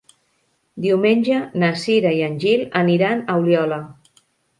Diumenge na Cira i en Gil aniran a Oliola.